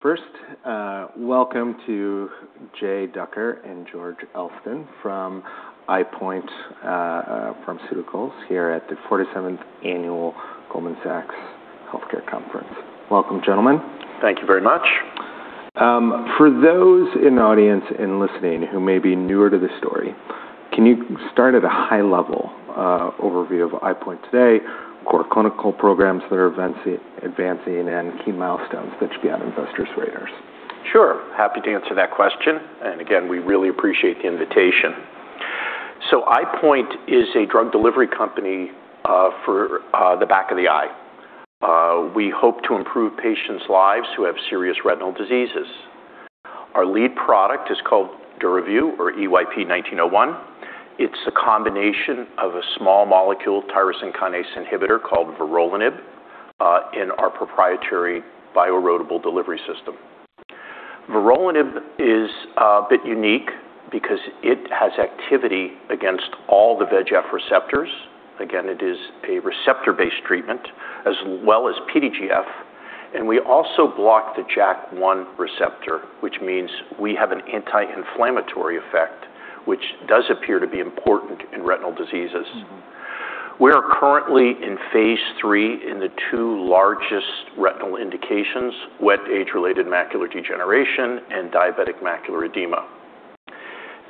Great. First, welcome to Jay Duker and George Elston from EyePoint Pharmaceuticals here at the 47th Annual Goldman Sachs Healthcare Conference. Welcome, gentlemen. Thank you very much. For those in the audience and listening who may be newer to the story, can you start at a high-level overview of EyePoint today, core clinical programs that are advancing, and key milestones that you've got investors' radars? Sure. Happy to answer that question. Again, we really appreciate the invitation. EyePoint is a drug delivery company for the back of the eye. We hope to improve patients' lives who have serious retinal diseases. Our lead product is called DURAVYU or EYP-1901. It's a combination of a small molecule tyrosine kinase inhibitor called vorolanib, in our proprietary bioerodible delivery system. Vorolanib is a bit unique because it has activity against all the VEGF receptors. Again, it is a receptor-based treatment as well as PDGF, and we also block the JAK1 receptor, which means we have an anti-inflammatory effect, which does appear to be important in retinal diseases. We are currently in phase III in the two largest retinal indications: wet age-related macular degeneration and diabetic macular edema.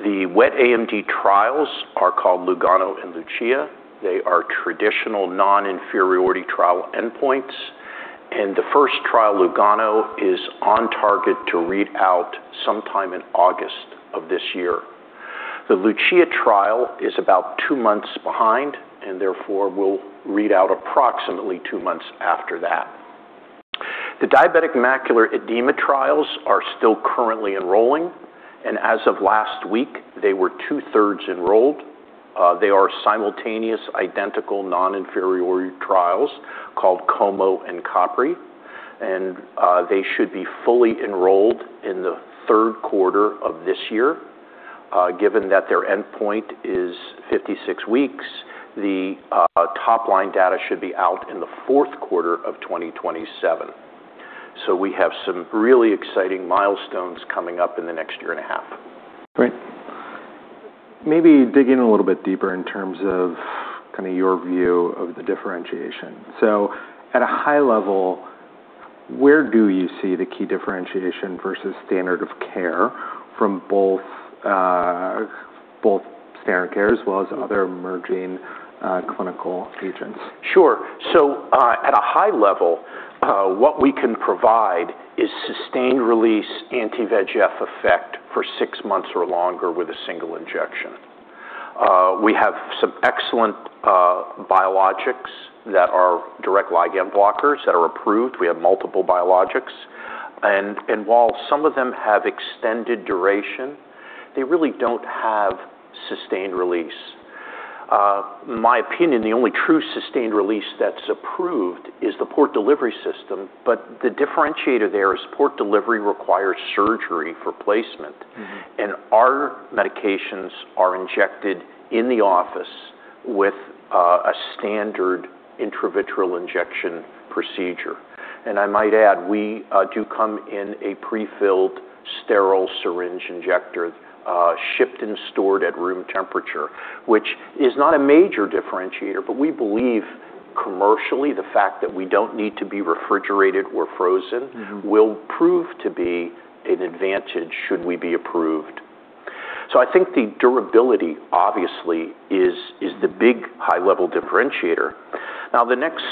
The wet AMD trials are called LUGANO and LUCIA. They are traditional non-inferiority trial endpoints. The first trial, LUGANO, is on target to read out sometime in August of this year. The LUCIA trial is about two months behind and therefore will read out approximately two months after that. The diabetic macular edema trials are still currently enrolling, and as of last week, they were two-thirds enrolled. They are simultaneous, identical non-inferiority trials called COMO and CAPRI, and they should be fully enrolled in the third quarter of this year. Given that their endpoint is 56 weeks, the top-line data should be out in the fourth quarter of 2027. We have some really exciting milestones coming up in the next year and a half. Great. Maybe dig in a little bit deeper in terms of your view of the differentiation. At a high level, where do you see the key differentiation versus standard of care from both standard of care as well as other emerging clinical agents? Sure. At a high level, what we can provide is sustained-release anti-VEGF effect for six months or longer with a single injection. We have some excellent biologics that are direct ligand blockers that are approved. We have multiple biologics, and while some of them have extended duration, they really don't have sustained release. My opinion, the only true sustained release that's approved is the port delivery system. The differentiator there is port delivery requires surgery for placement. Our medications are injected in the office with a standard intravitreal injection procedure. I might add, we do come in a prefilled sterile syringe injector, shipped and stored at room temperature, which is not a major differentiator. We believe commercially, the fact that we don't need to be refrigerated or frozen will prove to be an advantage should we be approved. I think the durability obviously is the big high-level differentiator. The next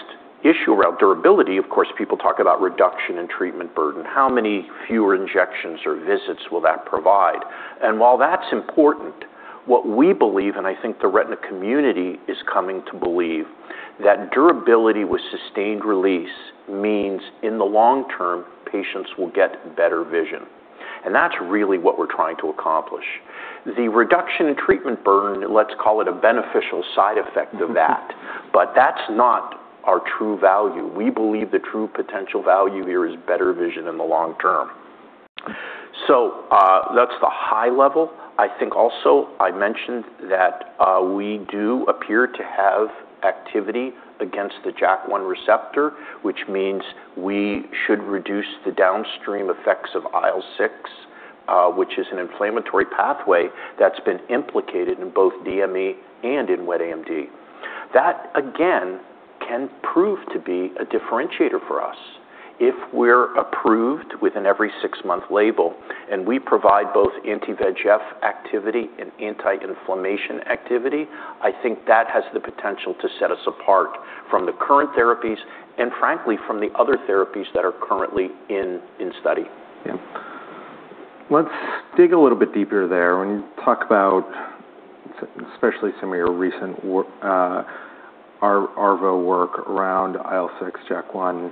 issue around durability, of course, people talk about reduction in treatment burden. How many fewer injections or visits will that provide? While that's important, what we believe, and I think the retina community is coming to believe, that durability with sustained release means in the long term, patients will get better vision. That's really what we're trying to accomplish. The reduction in treatment burden, let's call it a beneficial side effect of that. That's not our true value. We believe the true potential value here is better vision in the long term. That's the high level. I think also I mentioned that we do appear to have activity against the JAK1 receptor, which means we should reduce the downstream effects of IL-6, which is an inflammatory pathway that's been implicated in both DME and in wet AMD. That, again, can prove to be a differentiator for us. If we're approved with an every six-month label and we provide both anti-VEGF activity and anti-inflammation activity, I think that has the potential to set us apart from the current therapies and frankly, from the other therapies that are currently in study. Yeah. Let's dig a little bit deeper there. When you talk about, especially some of your recent ARVO work around IL-6, JAK1,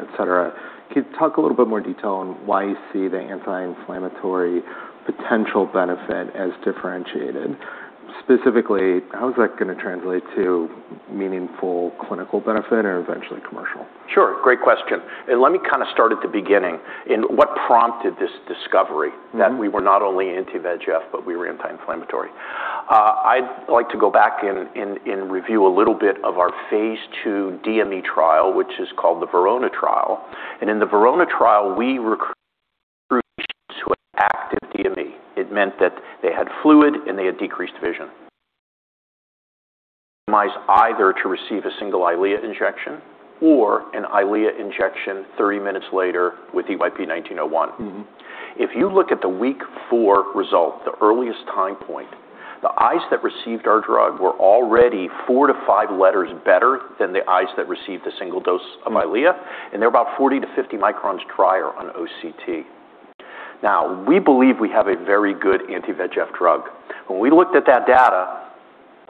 et cetera. Can you talk a little bit more detail on why you see the anti-inflammatory potential benefit as differentiated? Specifically, how is that going to translate to meaningful clinical benefit or eventually commercial? Sure. Great question. Let me start at the beginning in what prompted this discovery that we were not only anti-VEGF, but we were anti-inflammatory. I'd like to go back and review a little bit of our phase II DME trial, which is called the VERONA trial. In the VERONA trial, we recruited patients who had active DME. It meant that they had fluid, and they had decreased vision. Randomized either to receive a single EYLEA injection or an EYLEA injection 30 minutes later with EYP-1901. If you look at the week four result, the earliest time point, the eyes that received our drug were already four to five letters better than the eyes that received a single dose of EYLEA. They're about 40 to 50 microns drier on OCT. We believe we have a very good anti-VEGF drug. When we looked at that data,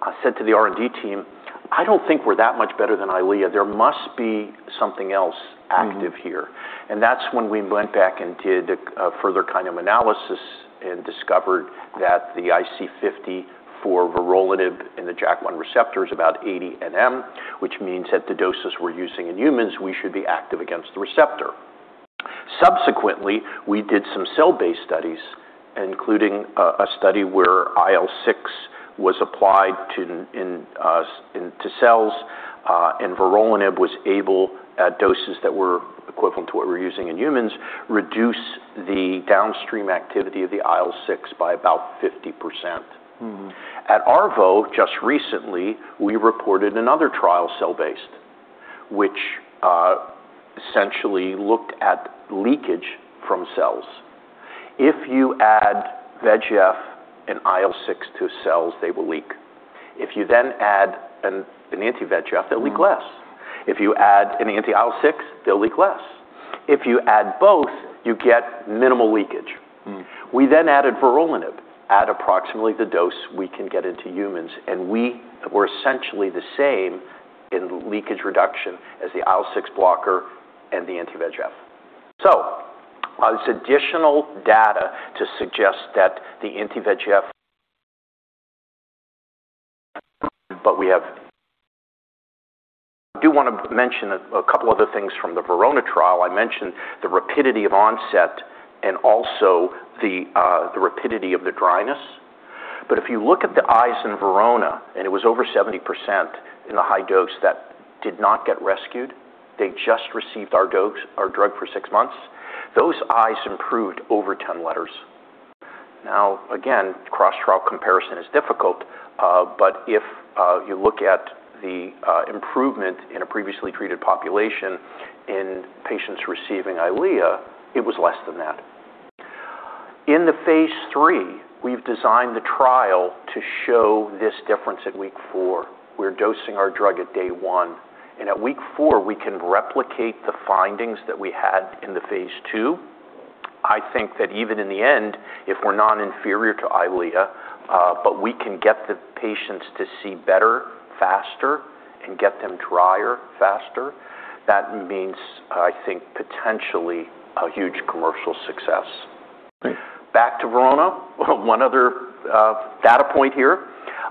I said to the R&D team, "I don't think we're that much better than EYLEA. There must be something else active here. That's when we went back and did a further kind of analysis and discovered that the IC50 for vorolanib in the JAK1 receptor is about 80 nM, which means at the doses we're using in humans, we should be active against the receptor. Subsequently, we did some cell-based studies, including a study where IL-6 was applied into cells, and vorolanib was able, at doses that were equivalent to what we're using in humans, reduce the downstream activity of the IL-6 by about 50%. At ARVO, just recently, we reported another trial, cell-based, which essentially looked at leakage from cells. If you add VEGF and IL-6 to cells, they will leak. If you then add an anti-VEGF, they'll leak less. If you add an anti-IL-6, they'll leak less. If you add both, you get minimal leakage. We added vorolanib at approximately the dose we can get into humans, and we were essentially the same in leakage reduction as the IL-6 blocker and the anti-VEGF. It's additional data to suggest that the anti-VEGF. I do want to mention a couple other things from the VERONA trial. I mentioned the rapidity of onset and also the rapidity of the dryness. If you look at the eyes in VERONA, and it was over 70% in the high dose that did not get rescued, they just received our drug for six months. Those eyes improved over 10 letters. Now, again, cross-trial comparison is difficult. If you look at the improvement in a previously treated population in patients receiving EYLEA, it was less than that. In the phase III, we've designed the trial to show this difference at week four. We're dosing our drug at day one. At week four, we can replicate the findings that we had in the phase II. I think that even in the end, if we're non-inferior to EYLEA, but we can get the patients to see better, faster, and get them drier faster, that means, I think, potentially a huge commercial success. Great. Back to VERONA. One other data point here.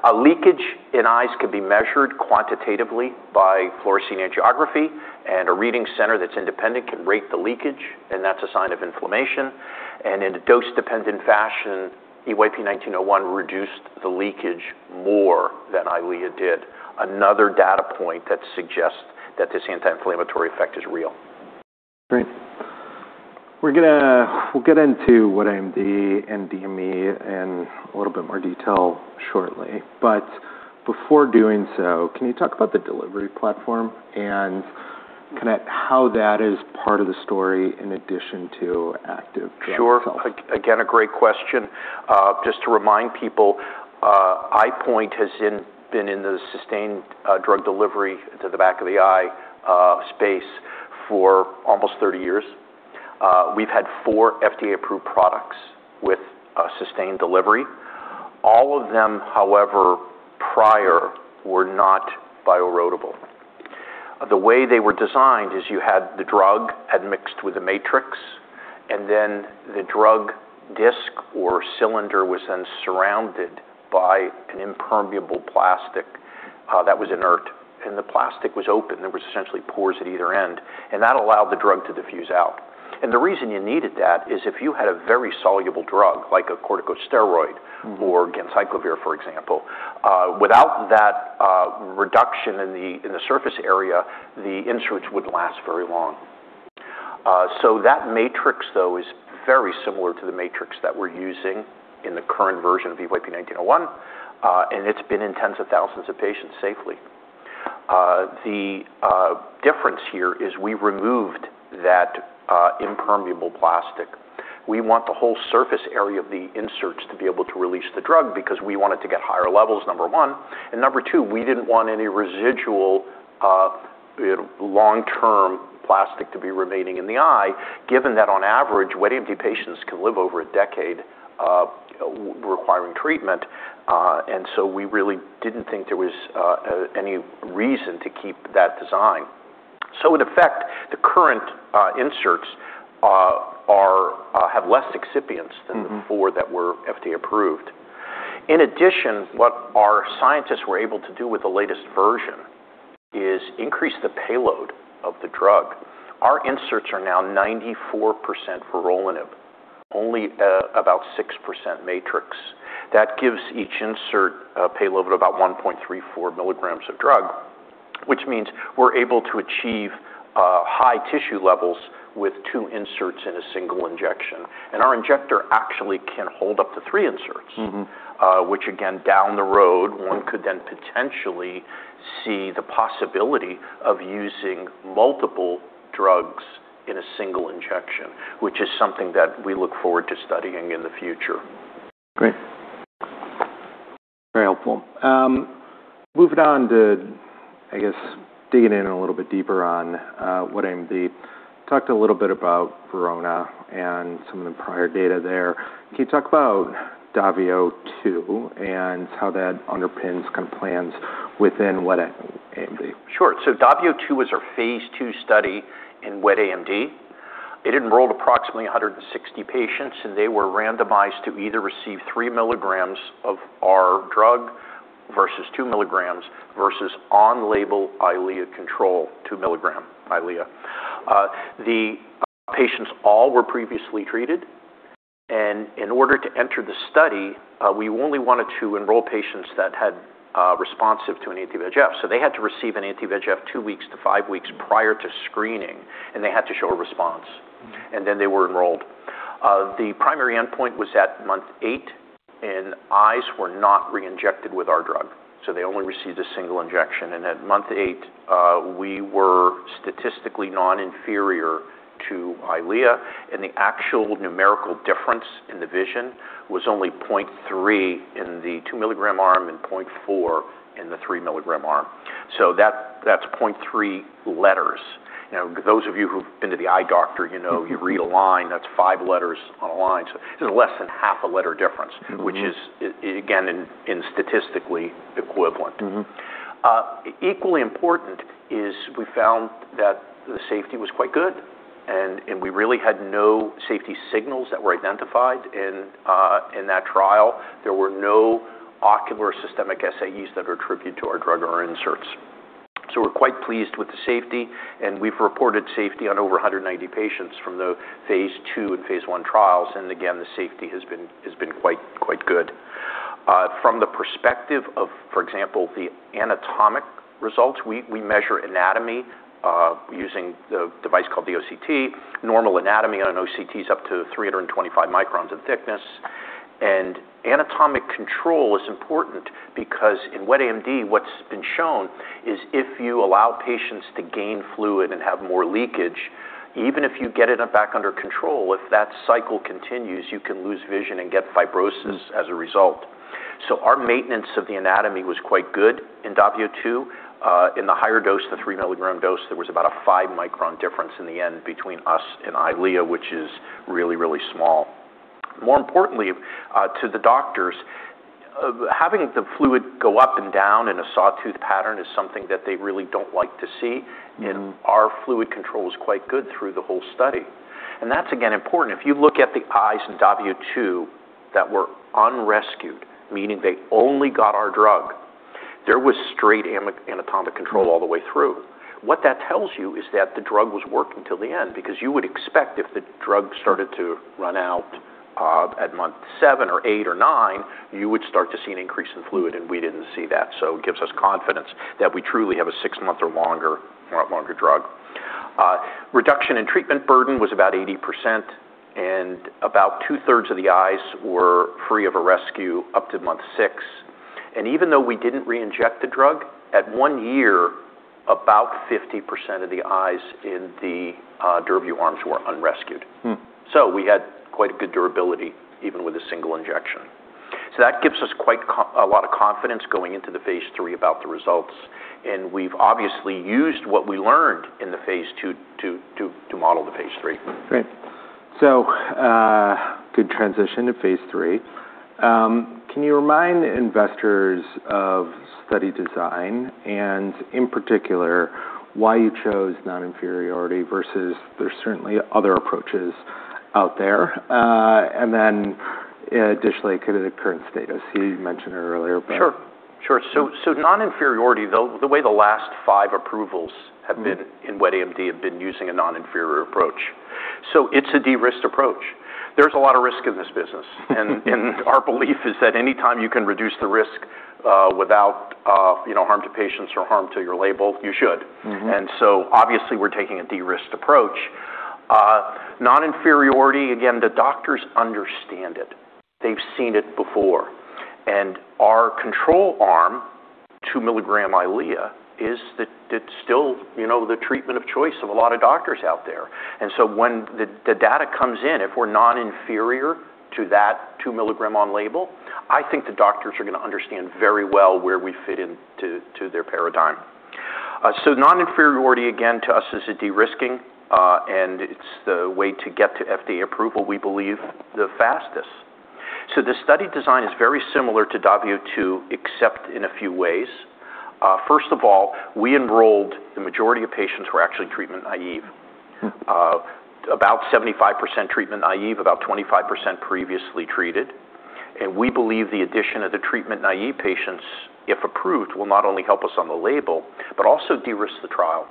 A leakage in eyes can be measured quantitatively by fluorescein angiography, and a reading center that's independent can rate the leakage, and that's a sign of inflammation. In a dose-dependent fashion, EYP-1901 reduced the leakage more than EYLEA did. Another data point that suggests that this anti-inflammatory effect is real. Great. We'll get into wet AMD and DME in a little bit more detail shortly. Before doing so, can you talk about the delivery platform and kind of how that is part of the story in addition to active drug itself? Sure. Again, a great question. Just to remind people, EyePoint has been in the sustained drug delivery to the back of the eye space for almost 30 years. We've had four FDA-approved products with sustained delivery. All of them, however, prior, were not bioerodible. The way they were designed is you had the drug admixed with a matrix, then the drug disk or cylinder was then surrounded by an impermeable plastic that was inert. The plastic was open. There was essentially pores at either end, and that allowed the drug to diffuse out. The reason you needed that is if you had a very soluble drug, like a corticosteroid or ganciclovir, for example. Without that reduction in the surface area, the inserts wouldn't last very long. That matrix, though, is very similar to the matrix that we're using in the current version of EYP-1901, and it's been in tens of thousands of patients safely. The difference here is we removed that impermeable plastic. We want the whole surface area of the inserts to be able to release the drug because we want it to get higher levels, number one, and number two, we didn't want any residual long-term plastic to be remaining in the eye, given that on average, wet AMD patients can live over a decade requiring treatment. We really didn't think there was any reason to keep that design. In effect, the current inserts have less excipients than the four that were FDA approved. In addition, what our scientists were able to do with the latest version is increase the payload of the drug. Our inserts are now 94% vorolanib, only about 6% matrix. That gives each insert a payload of about 1.34 milligrams of drug, which means we're able to achieve high tissue levels with two inserts in a single injection. Our injector actually can hold up to three inserts. Which again, down the road, one could then potentially see the possibility of using multiple drugs in a single injection, which is something that we look forward to studying in the future. Great. Very helpful. Moving on to, I guess, digging in a little bit deeper on wet AMD. Talked a little bit about VERONA and some of the prior data there. Can you talk about DAVIO 2 and how that underpins plans within wet AMD? Sure. DAVIO 2 was our phase II study in wet AMD. It enrolled approximately 160 patients, and they were randomized to either receive three milligrams of our drug versus two milligrams versus on-label EYLEA control, two milligram EYLEA. The patients all were previously treated, and in order to enter the study, we only wanted to enroll patients that had responsive to an anti-VEGF. They had to receive an anti-VEGF two weeks to five weeks prior to screening, and they had to show a response. They were enrolled. The primary endpoint was at month eight, and eyes were not re-injected with our drug. They only received a single injection. At month eight, we were statistically non-inferior to EYLEA, and the actual numerical difference in the vision was only 0.3 in the two milligram arm and 0.4 in the three milligram arm. That's 0.3 letters. Now, those of you who've been to the eye doctor, you know. You read a line, that's five letters on a line. It's less than half a letter difference. Which is, again, statistically equivalent. Equally important is we found that the safety was quite good, and we really had no safety signals that were identified in that trial. There were no ocular systemic SAEs that are attributed to our drug or our inserts. We're quite pleased with the safety, and we've reported safety on over 190 patients from the phase II and phase I trials. Again, the safety has been quite good. From the perspective of, for example, the anatomic results, we measure anatomy using the device called the OCT. Normal anatomy on an OCT is up to 325 microns in thickness. Anatomic control is important because in wet AMD, what's been shown is if you allow patients to gain fluid and have more leakage, even if you get it back under control, if that cycle continues, you can lose vision and get fibrosis as a result. Our maintenance of the anatomy was quite good in DAVIO 2. In the higher dose, the three-milligram dose, there was about a five-micron difference in the end between us and EYLEA, which is really, really small. More importantly to the doctors, having the fluid go up and down in a sawtooth pattern is something that they really don't like to see. Our fluid control was quite good through the whole study. That's, again, important. If you look at the eyes in DAVIO 2 that were unrescued, meaning they only got our drug, there was straight anatomic control all the way through. What that tells you is that the drug was working till the end, because you would expect if the drug started to run out at month seven or eight or nine, you would start to see an increase in fluid, and we didn't see that. It gives us confidence that we truly have a six-month or longer drug. Reduction in treatment burden was about 80%, and about two-thirds of the eyes were free of a rescue up to month six. Even though we didn't re-inject the drug, at one year, about 50% of the eyes in the DAVIO 2 arms were unrescued. We had quite good durability, even with a single injection. That gives us quite a lot of confidence going into the phase III about the results, and we've obviously used what we learned in the phase II to model the phase III. Great. Good transition to phase III. Can you remind investors of study design and, in particular, why you chose non-inferiority versus, there's certainly other approaches out there. Additionally, kind of the current status. You mentioned it earlier. Sure. Non-inferiority, the way the last five approvals have been in wet AMD have been using a non-inferior approach. It's a de-risked approach. There's a lot of risk in this business. Our belief is that any time you can reduce the risk without harm to patients or harm to your label, you should. Obviously, we're taking a de-risked approach. Non-inferiority, again, the doctors understand it. They've seen it before. Our control arm, two milligram EYLEA, is still the treatment of choice of a lot of doctors out there. When the data comes in, if we're non-inferior to that two milligram on-label, I think the doctors are going to understand very well where we fit into their paradigm. Non-inferiority, again, to us is a de-risking, and it's the way to get to FDA approval, we believe, the fastest. The study design is very similar to DAVIO 2, except in a few ways. First of all, we enrolled the majority of patients who were actually treatment-naïve. About 75% treatment-naïve, about 25% previously treated. We believe the addition of the treatment-naïve patients, if approved, will not only help us on the label, but also de-risk the trial.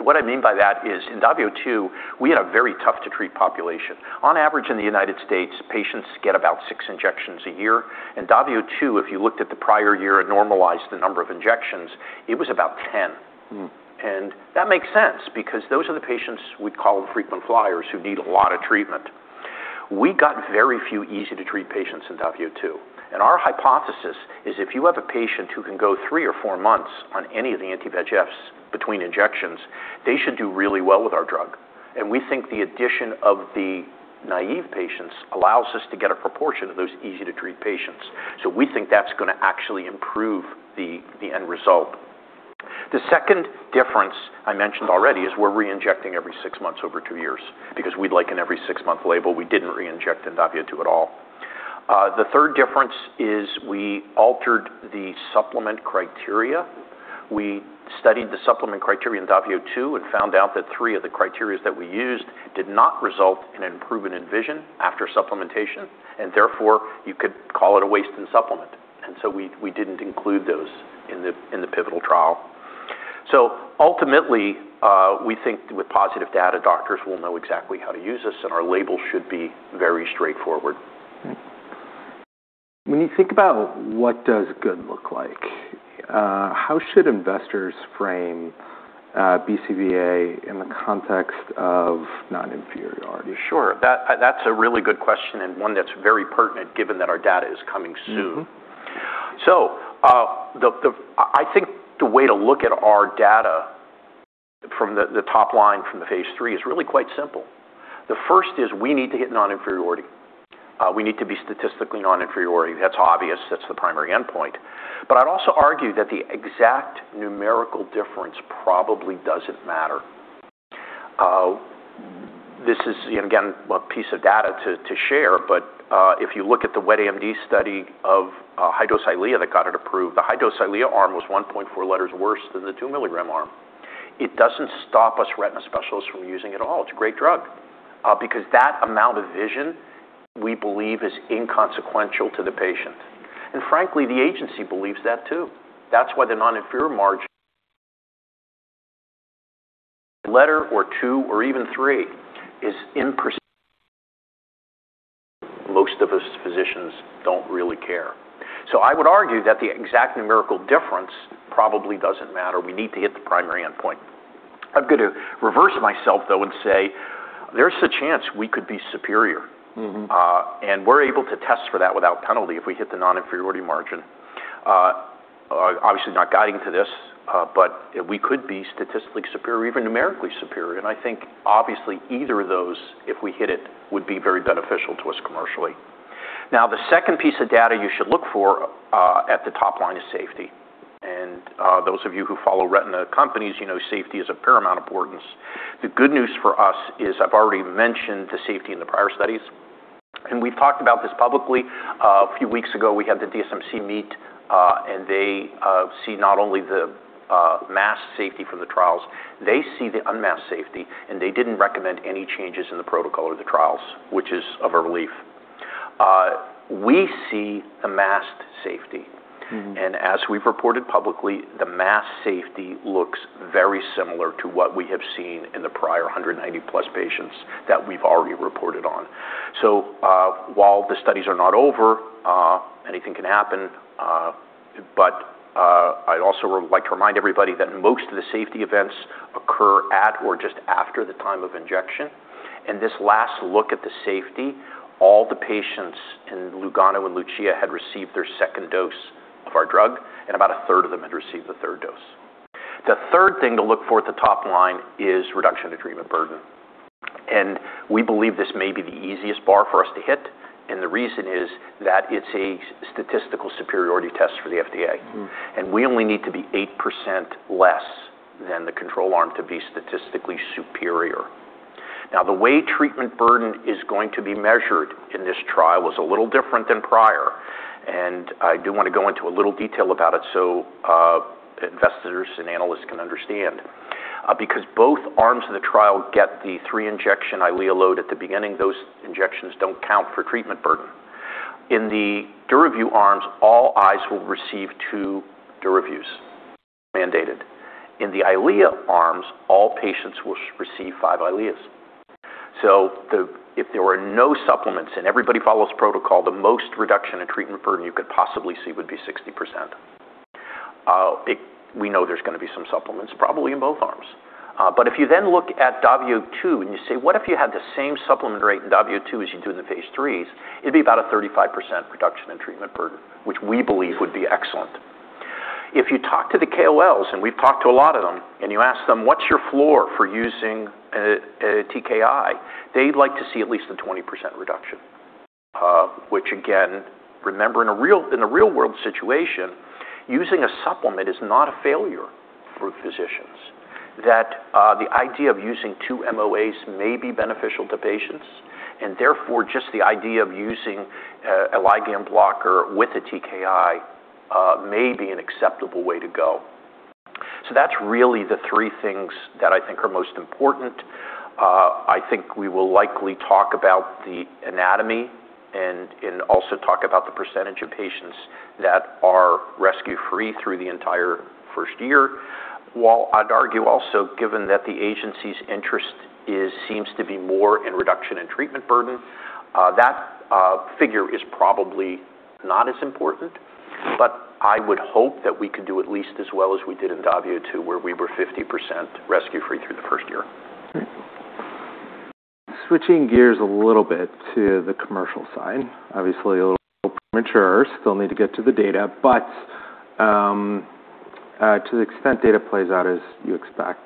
What I mean by that is, in W02, we had a very tough to treat population. On average in the United States, patients get about six injections a year. In W02, if you looked at the prior year and normalized the number of injections, it was about 10. That makes sense because those are the patients we'd call frequent flyers who need a lot of treatment. We got very few easy to treat patients in W02. Our hypothesis is if you have a patient who can go three or four months on any of the anti-VEGFs between injections, they should do really well with our drug. We think the addition of the naive patients allows us to get a proportion of those easy to treat patients. We think that's going to actually improve the end result. The second difference I mentioned already is we're re-injecting every six months over two years because we'd like an every six-month label. We didn't re-inject in W02 at all. The third difference is we altered the supplement criteria. We studied the supplement criteria in W02 and found out that three of the criteria that we used did not result in an improvement in vision after supplementation, therefore you could call it a wasted supplement. We didn't include those in the pivotal trial. Ultimately, we think with positive data, doctors will know exactly how to use this, and our label should be very straightforward. When you think about what does good look like, how should investors frame BCVA in the context of non-inferiority? Sure. That's a really good question, one that's very pertinent given that our data is coming soon. I think the way to look at our data from the top line from the phase III is really quite simple. The first is we need to hit non-inferiority. We need to be statistically non-inferior. That's obvious. That's the primary endpoint. I'd also argue that the exact numerical difference probably doesn't matter. This is, again, a piece of data to share, but if you look at the wet AMD study of high-dose EYLEA that got it approved, the high-dose EYLEA arm was 1.4 letters worse than the two milligram arm. It doesn't stop us retina specialists from using it all. It's a great drug. That amount of vision we believe is inconsequential to the patient. Frankly, the agency believes that too. That's why the non-inferior margin letter or two or even three is impersonal. Most of us physicians don't really care. I would argue that the exact numerical difference probably doesn't matter. We need to hit the primary endpoint. I'm going to reverse myself though and say there's a chance we could be superior. We're able to test for that without penalty if we hit the non-inferiority margin. Obviously not guiding to this, we could be statistically superior, even numerically superior, I think obviously either of those, if we hit it, would be very beneficial to us commercially. The second piece of data you should look for at the top line is safety. Those of you who follow retina companies, you know safety is of paramount importance. The good news for us is I've already mentioned the safety in the prior studies, we've talked about this publicly. A few weeks ago, we had the DSMC meet, they see not only the masked safety from the trials, they see the unmasked safety, they didn't recommend any changes in the protocol or the trials, which is of a relief. We see a masked safety. As we've reported publicly, the masked safety looks very similar to what we have seen in the prior 190+ patients that we've already reported on. While the studies are not over, anything can happen. I'd also like to remind everybody that most of the safety events occur at or just after the time of injection. In this last look at the safety, all the patients in LUGANO and LUCIA had received their second dose of our drug, about a third of them had received the third dose. The third thing to look for at the top line is reduction in treatment burden. We believe this may be the easiest bar for us to hit, the reason is that it's a statistical superiority test for the FDA. We only need to be 8% less than the control arm to be statistically superior. The way treatment burden is going to be measured in this trial was a little different than prior, and I do want to go into a little detail about it so investors and analysts can understand. Because both arms of the trial get the three injection EYLEA load at the beginning, those injections don't count for treatment burden. In the DURAVYU arms, all eyes will receive two DURAVYUs, mandated. In the EYLEA arms, all patients will receive five EYLEAs. If there were no supplements and everybody follows protocol, the most reduction in treatment burden you could possibly see would be 60%. We know there's going to be some supplements probably in both arms. If you then look at W02 and you say what if you had the same supplement rate in W02 as you do in the phase III, it'd be about a 35% reduction in treatment burden, which we believe would be excellent. If you talk to the KOLs, and we've talked to a lot of them, and you ask them, "What's your floor for using a TKI?" They'd like to see at least a 20% reduction. Which again, remember in a real world situation, using a supplement is not a failure for physicians. The idea of using two MOAs may be beneficial to patients, and therefore, just the idea of using a ligand blocker with a TKI may be an acceptable way to go. That's really the three things that I think are most important. I think we will likely talk about the anatomy and also talk about the percentage of patients that are rescue-free through the entire first year. While I'd argue also, given that the agency's interest seems to be more in reduction in treatment burden, that figure is probably not as important. I would hope that we could do at least as well as we did in DAVIO 2, where we were 50% rescue-free through the first year. Great. Switching gears a little bit to the commercial side. Obviously, a little premature, still need to get to the data, but to the extent data plays out as you expect,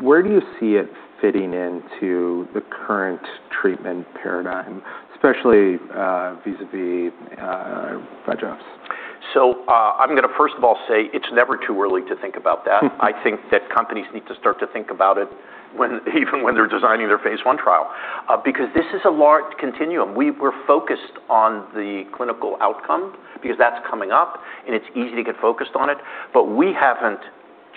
where do you see it fitting into the current treatment paradigm, especially vis-à-vis VEGF? I'm going to first of all say it's never too early to think about that. I think that companies need to start to think about it even when they're designing their phase I trial. This is a large continuum. We're focused on the clinical outcome because that's coming up, and it's easy to get focused on it. We haven't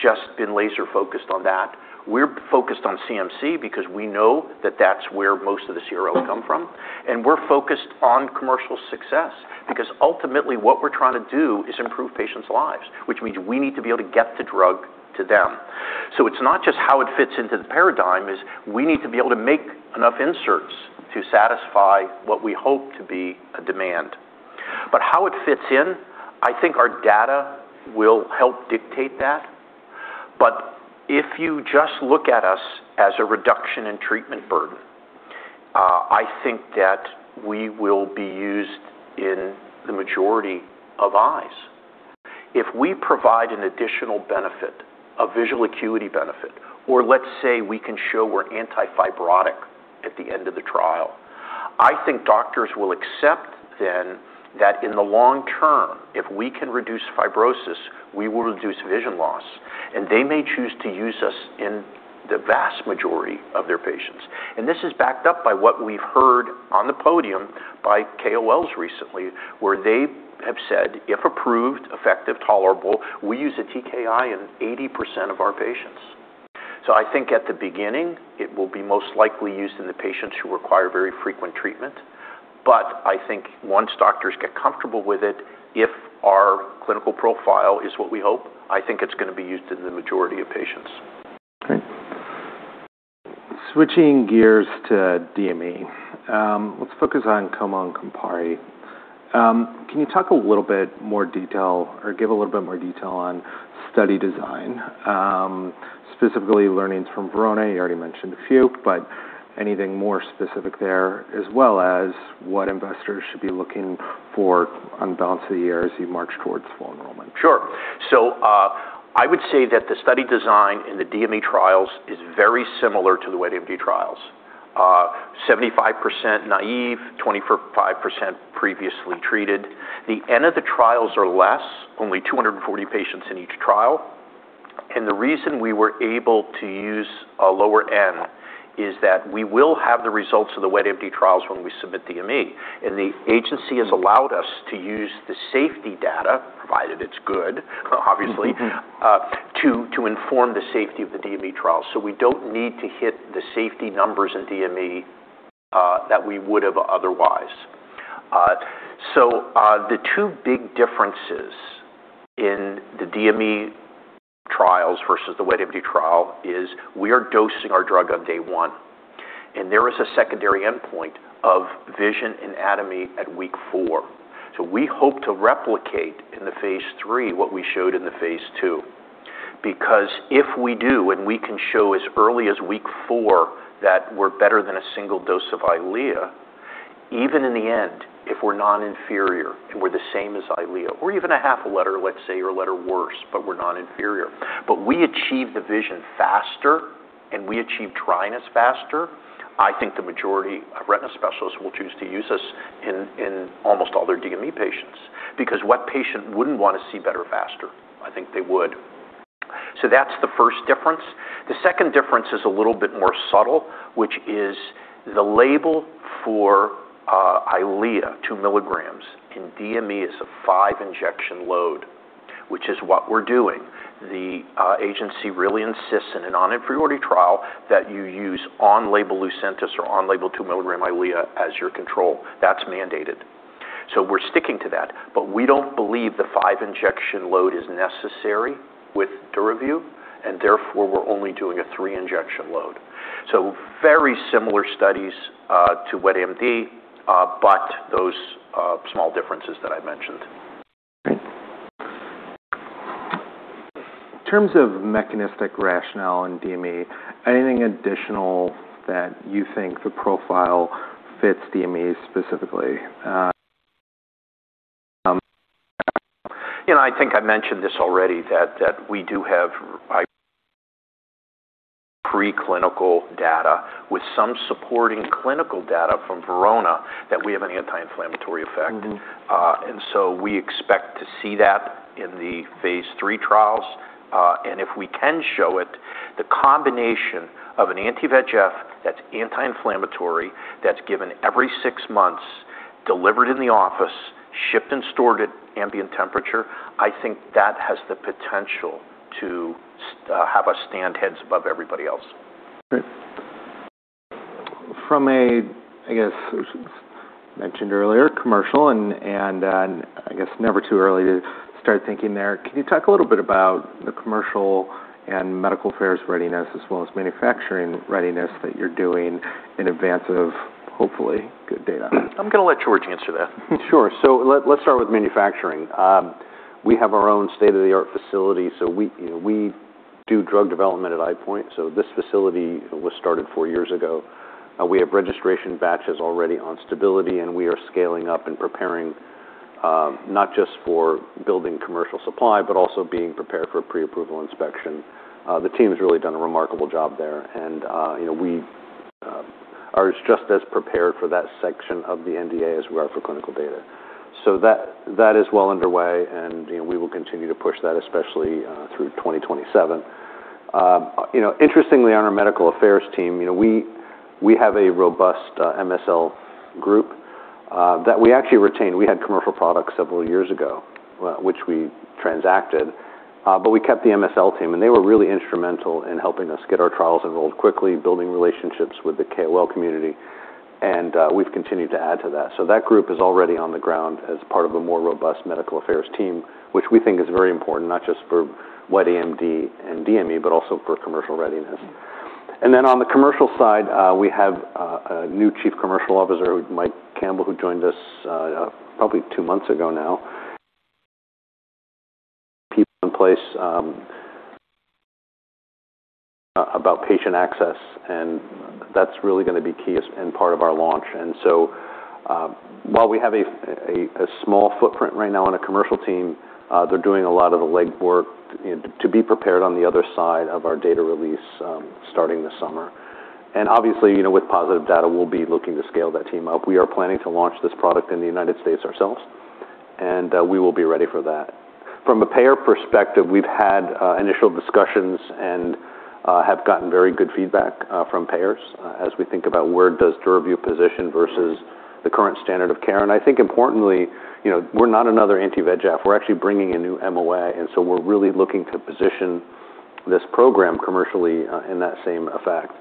just been laser focused on that. We're focused on CMC because we know that that's where most of the CRL come from, and we're focused on commercial success. Ultimately what we're trying to do is improve patients' lives, which means we need to be able to get the drug to them. It's not just how it fits into the paradigm, is we need to be able to make enough inserts to satisfy what we hope to be a demand. How it fits in, I think our data will help dictate that. If you just look at us as a reduction in treatment burden, I think that we will be used in the majority of eyes. If we provide an additional benefit, a visual acuity benefit, or let's say we can show we're anti-fibrotic at the end of the trial, I think doctors will accept then that in the long term, if we can reduce fibrosis, we will reduce vision loss. They may choose to use us in the vast majority of their patients. This is backed up by what we've heard on the podium by KOLs recently, where they have said, "If approved, effective, tolerable, we use a TKI in 80% of our patients." I think at the beginning, it will be most likely used in the patients who require very frequent treatment. I think once doctors get comfortable with it, if our clinical profile is what we hope, I think it's going to be used in the majority of patients. Great. Switching gears to DME. Let's focus on COMO and CAPRI. Can you talk a little bit more detail or give a little bit more detail on study design, specifically learnings from VERONA? You already mentioned a few, but anything more specific there, as well as what investors should be looking for on balance of the year as you march towards full enrollment. I would say that the study design in the DME trials is very similar to the wet AMD trials. 75% naive, 25% previously treated. The N of the trials are less, only 240 patients in each trial. The reason we were able to use a lower N is that we will have the results of the wet AMD trials when we submit DME. The agency has allowed us to use the safety data, provided it's good. to inform the safety of the DME trial. We don't need to hit the safety numbers in DME that we would've otherwise. The two big differences in the DME trials versus the wet AMD trial is we are dosing our drug on day one, and there is a secondary endpoint of vision and anatomy at week four. We hope to replicate in the phase III what we showed in the phase II. If we do, we can show as early as week four that we're better than a single dose of EYLEA, even in the end, if we're non-inferior and we're the same as EYLEA, or even a half a letter, let's say, or a letter worse, but we're non-inferior, but we achieve the vision faster and we achieve dryness faster, I think the majority of retina specialists will choose to use us in almost all their DME patients. What patient wouldn't want to see better faster? I think they would. That's the first difference. The second difference is a little bit more subtle, which is the label for EYLEA 2 milligrams in DME is a five injection load, which is what we're doing. The agency really insists in a non-inferiority trial that you use on-label LUCENTIS or on-label 2-milligram EYLEA as your control. That's mandated. We're sticking to that. We don't believe the five injection load is necessary with DURAVYU, therefore we're only doing a three injection load. Very similar studies to wet AMD, but those small differences that I mentioned. Great. In terms of mechanistic rationale in DME, anything additional that you think the profile fits DME specifically? I think I mentioned this already, that we do have pre-clinical data with some supporting clinical data from VERONA that we have an anti-inflammatory effect. We expect to see that in the phase III trials. If we can show it, the combination of an anti-VEGF that's anti-inflammatory, that's given every six months delivered in the office, shipped and stored at ambient temperature. I think that has the potential to have us stand heads above everybody else. Great. From a, I guess, mentioned earlier, commercial, and then I guess never too early to start thinking there. Can you talk a little bit about the commercial and medical affairs readiness as well as manufacturing readiness that you're doing in advance of hopefully good data? I'm going to let George answer that. Sure. Let's start with manufacturing. We have our own state-of-the-art facility, so we do drug development at EyePoint. This facility was started four years ago. We have registration batches already on stability, and we are scaling up and preparing not just for building commercial supply, but also being prepared for a pre-approval inspection. The team has really done a remarkable job there. We are just as prepared for that section of the NDA as we are for clinical data. That is well underway, and we will continue to push that, especially through 2027. Interestingly, on our medical affairs team, we have a robust MSL group that we actually retained. We had commercial products several years ago, which we transacted. We kept the MSL team, and they were really instrumental in helping us get our trials enrolled quickly, building relationships with the KOL community. We've continued to add to that. That group is already on the ground as part of a more robust medical affairs team, which we think is very important, not just for wet AMD and DME, but also for commercial readiness. On the commercial side, we have a new Chief Commercial Officer, Michael Campbell, who joined us probably two months ago now. We have people in place about patient access. That's really going to be key and part of our launch. While we have a small footprint right now on a commercial team, they're doing a lot of the legwork to be prepared on the other side of our data release starting this summer. Obviously, with positive data, we'll be looking to scale that team up. We are planning to launch this product in the United States ourselves, and we will be ready for that. From a payer perspective, we've had initial discussions and have gotten very good feedback from payers as we think about where does DURAVYU position versus the current standard of care. I think importantly, we're not another anti-VEGF. We're actually bringing a new MOA. We're really looking to position this program commercially in that same effect.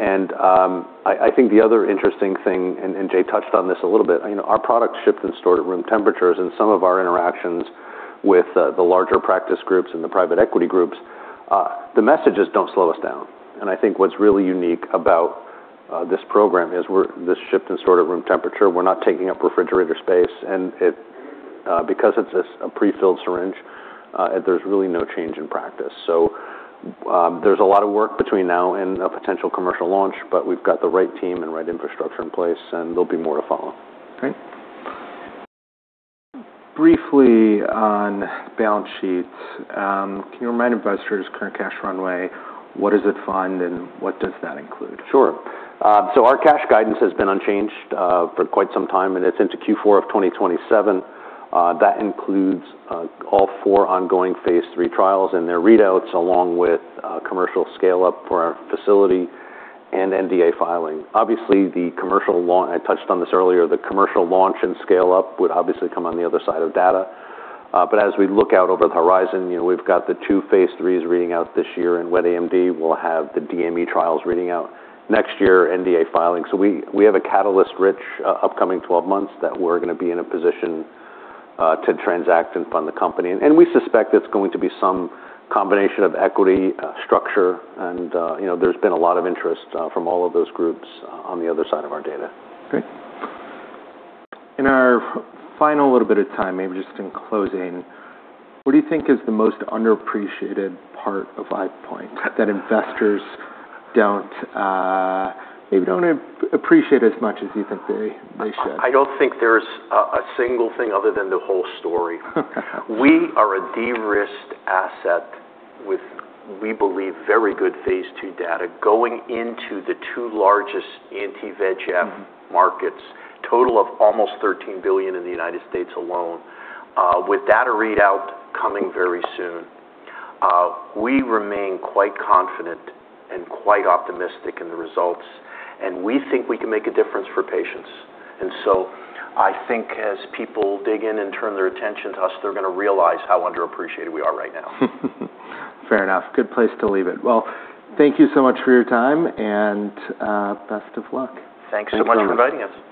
I think the other interesting thing, Jay touched on this a little bit, our product's shipped and stored at room temperatures. In some of our interactions with the larger practice groups and the private equity groups, the message is, "Don't slow us down." I think what's really unique about this program is this is shipped and stored at room temperature. Because it's a prefilled syringe, there's really no change in practice. There's a lot of work between now and a potential commercial launch. We've got the right team and right infrastructure in place. There'll be more to follow. Great. Briefly on balance sheets, can you remind investors current cash runway, what does it fund, and what does that include? Sure. Our cash guidance has been unchanged for quite some time. It's into Q4 of 2027. That includes all four ongoing phase III trials and their readouts along with commercial scale-up for our facility and NDA filing. Obviously, I touched on this earlier, the commercial launch and scale-up would obviously come on the other side of data. As we look out over the horizon, we've got the two phase III's reading out this year in wet AMD. We'll have the DME trials reading out next year, NDA filing. We have a catalyst-rich upcoming 12 months that we're going to be in a position to transact and fund the company. We suspect it's going to be some combination of equity structure. There's been a lot of interest from all of those groups on the other side of our data. Great. In our final little bit of time, maybe just in closing, what do you think is the most underappreciated part of EyePoint that investors don't maybe appreciate as much as you think they should? I don't think there's a single thing other than the whole story. We are a de-risked asset with, we believe, very good phase II data going into the two largest anti-VEGF markets, total of almost $13 billion in the United States alone, with data readout coming very soon. We remain quite confident and quite optimistic in the results, and we think we can make a difference for patients. I think as people dig in and turn their attention to us, they're going to realize how underappreciated we are right now. Fair enough. Good place to leave it. Well, thank you so much for your time, and best of luck. Thanks so much for inviting us